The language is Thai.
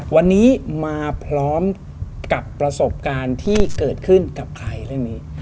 วันนี้มาพร้อมกับประสบการณ์ที่เกิดขึ้นกับใครเรื่องนี้